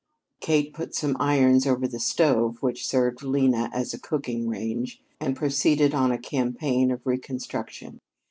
Kate put some irons over the stove which served Lena as a cooking range, and proceeded on a campaign of reconstruction.